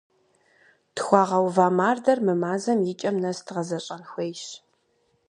Тхуагъэува мардэр мы мазэм и кӏэм нэс дгъэзэщӏэн хуейщ.